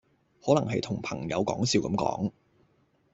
可能係同朋友講笑咁講